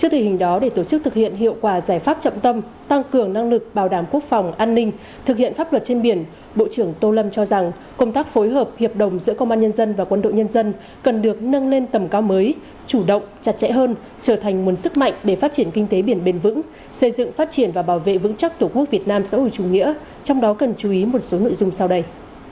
trước thực hiện hiệu quả giải pháp trọng tâm tăng cường năng lực bảo đảm quốc phòng an ninh thực hiện pháp luật trên biển bộ trưởng tô lâm cho rằng công tác phối hợp hiệp đồng giữa công an nhân dân và quân đội nhân dân cần được nâng lên tầm cao mới chủ động chặt chẽ hơn trở thành nguồn sức mạnh để phát triển kinh tế biển bền vững xây dựng phát triển và bảo vệ vững chắc tổ quốc việt nam sở hữu chủ nghĩa trong đó cần chú ý một số nội dung sau đây